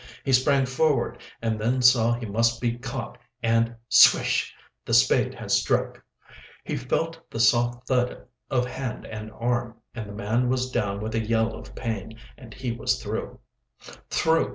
He sprang forward, and then saw he must be caught, and swish! the spade had struck. He felt the soft thud of hand and arm, and the man was down with a yell of pain, and he was through. Through!